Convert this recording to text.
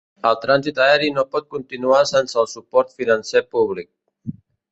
El trànsit aeri no pot continuar sense el suport financer públic.